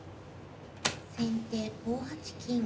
先手５八金。